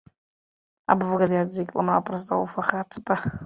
O‘zbekistonda bir yozilmagan qoida bor